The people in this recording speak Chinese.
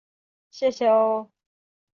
谢谢哦